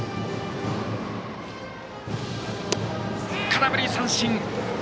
空振り三振！